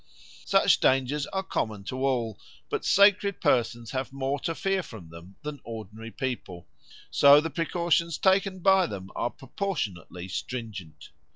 Such dangers are common to all, but sacred persons have more to fear from them than ordinary people, so the precautions taken by them are proportionately stringent.